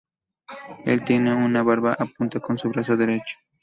Él tiene una barba y apunta con su brazo derecho.